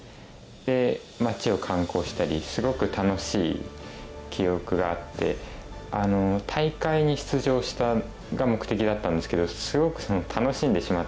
で街を観光したりすごく楽しい記憶があって大会に出場したが目的だったんですけどすごく楽しんでしまってその場を。